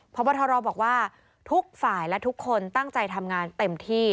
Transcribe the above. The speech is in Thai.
พบทรบอกว่าทุกฝ่ายและทุกคนตั้งใจทำงานเต็มที่